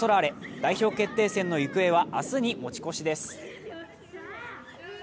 代表決定戦の行方は、明日に持ち越しです。